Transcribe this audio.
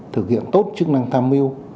thực hiện tốt chức năng tham mưu